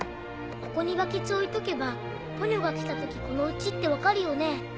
ここにバケツ置いとけばポニョが来た時この家って分かるよね？